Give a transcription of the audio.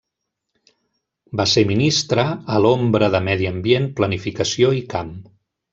Va ser ministra a l'ombra de Medi Ambient, Planificació i Camp.